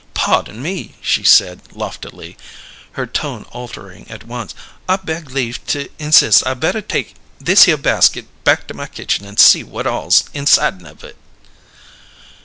"Pahdon me," she said loftily, her tone altering at once, "I beg leaf to insis' I better take thishere baskit back to my kitchen an' see whut all's insiden of it."